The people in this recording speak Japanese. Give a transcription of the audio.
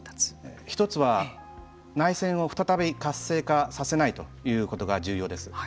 １つは、内戦を再び活性化させないということが重要です。